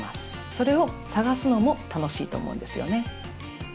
それを探すのも楽しいと思うんですよね。